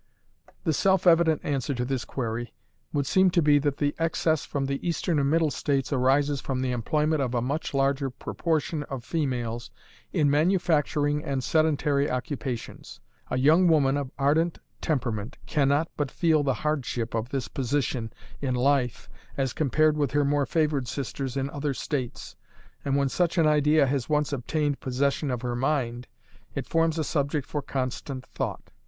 The self evident answer to this query would seem to be that the excess from the Eastern and Middle States arises from the employment of a much larger proportion of females in manufacturing and sedentary occupations. A young woman of ardent temperament can not but feel the hardship of this position in life as compared with her more favored sisters in other states, and when such an idea has once obtained possession of her mind, it forms a subject for constant thought.